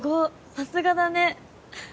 さすがだね。